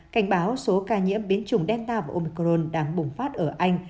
cảnh báo số ca nhiễm biến trùng delta và omicron đang bùng phát ở anh